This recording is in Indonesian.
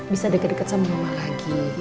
bisa deket deket sama allah lagi